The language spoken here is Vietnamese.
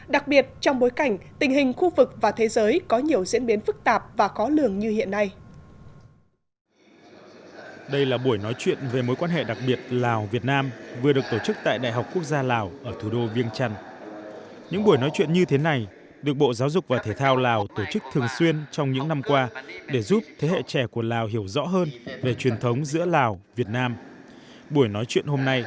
đặc biệt trong bối cảnh tình hình khu vực và thế giới có nhiều diễn biến phức tạp và có lường như hiện nay